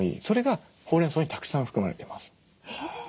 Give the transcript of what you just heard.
それがホウレンソウにたくさん含まれてます。